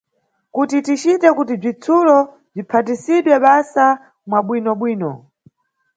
Kuti ticite kuti bzitsulo bziphatisidwe basa mwabwinobwino.